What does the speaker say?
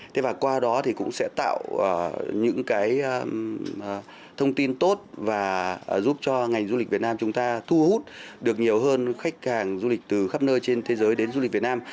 thế và qua đó thì cũng sẽ tạo những cái thông tin tốt và giúp cho ngành du lịch việt nam chúng ta thu hút được nhiều hơn khách hàng du lịch từ khắp nơi trên thế giới đến du lịch việt nam